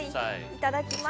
いただきます。